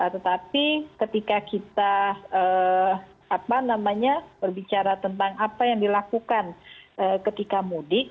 tetapi ketika kita berbicara tentang apa yang dilakukan ketika mudik